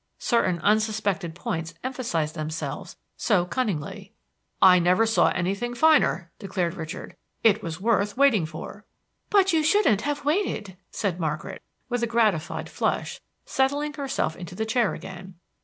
Certain unsuspected points emphasized themselves so cunningly. "I never saw anything finer," declared Richard. "It was worth waiting for." "But you shouldn't have waited," said Margaret, with a gratified flush, settling herself into the chair again.